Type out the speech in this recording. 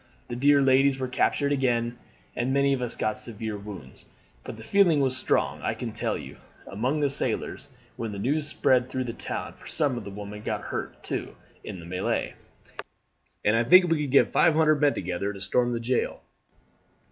The dear ladies were captured again, and many of us got severe wounds. But the feeling was strong, I can tell you, among the sailors when the news spread through the town, for some of the women got hurt, too, in the melee, and I think we could get five hundred men together to storm the jail."